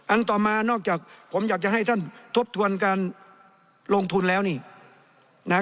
ต่อมานอกจากผมอยากจะให้ท่านทบทวนการลงทุนแล้วนี่นะฮะ